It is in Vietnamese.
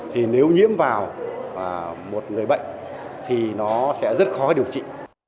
thì nếu nhiễm vào một người bệnh thì nó sẽ rất khó điều trị